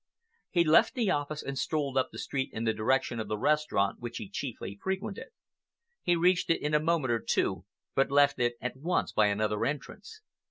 He left the office and strolled up the street in the direction of the restaurant which he chiefly frequented. He reached it in a moment or two, but left it at once by another entrance.